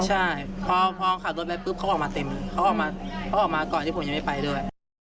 ใช่เพราะว่าเขาออกมาเต็มเขาออกมาก่อนที่ผมยังไม่ไปด้วย